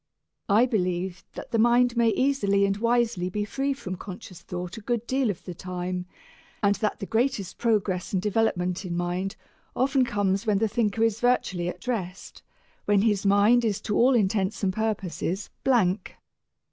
I believe that the mind may easily and wisely be free from conscious thought a good deal of the time, and that the greatest progress and development in mind often comes when the thinker is virtually at rest, when his mind is to all intents and purposes blank.